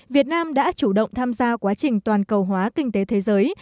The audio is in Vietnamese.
việt nam đã chủ động tham gia quá trình toàn cầu hóa kinh tế thế giới